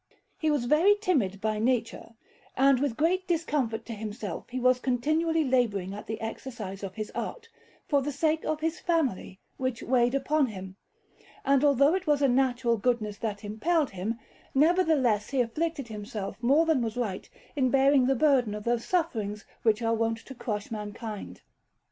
He was very timid by nature, and with great discomfort to himself he was continually labouring at the exercise of his art, for the sake of his family, which weighed upon him; and although it was a natural goodness that impelled him, nevertheless he afflicted himself more than was right in bearing the burden of those sufferings which are wont to crush mankind.